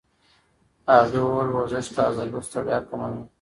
هغې وویل ورزش د عضلو ستړیا کموي.